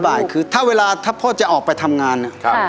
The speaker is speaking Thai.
บ่ายคือถ้าเวลาถ้าพ่อจะออกไปทำงาน